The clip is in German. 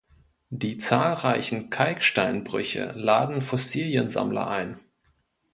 Die zahlreichen Kalksteinbrüche laden Fossiliensammler ein.